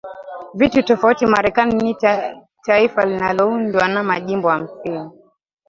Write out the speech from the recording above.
vitu tofauti Marekani ni taifa linaloundwa na majimbo hamsini